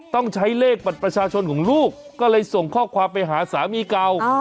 ต้องใช้เลขบัตรประชาชนของลูกก็เลยส่งข้อความไปหาสามีเก่า